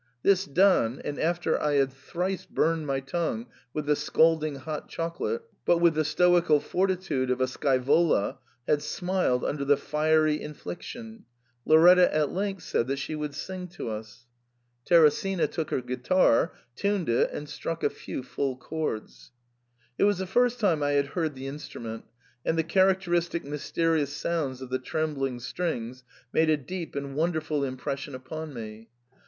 This done, and after I had thrice burned my tongue with the scalding hot chocolate, but with the stoical fortitude of a Scaevola had smiled under the fiery infliction, Lauretta at length said that she would sing to us. Teresina took her guitar, tuned it, and struck a few full chords. It was the first time I had heard the instrument, and the characteristic mysterious sounds of the trembling strings made a deep and wonderful impression upon me.